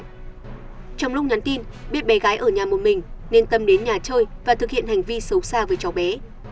trong lúc nhắn tin biết bé gái ở nhà một mình nên tâm đến nhà chơi và thực hiện hành vi xấu xa với cháu bé